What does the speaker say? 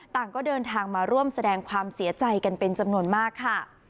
ต่างก็เดินทางมาร่วมแสดงความเสียใจกันเป็นจำนวนมากค่ะ